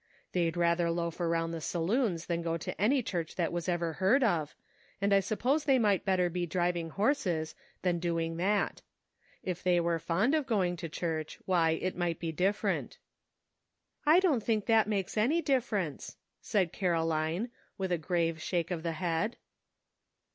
They'd rather loaf around the saloons than go to any church that was ever heard of, and I suppose they might better be driving horses than doing that. If they were fond of going to church, why, it might be different." "I don't think that makes any difference," said Caroline, with a grave shake of the head.